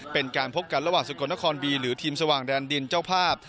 เป็นการพบกันระหว่างสกลนครบีหรือทีมสว่างแดนดินเจ้าภาพ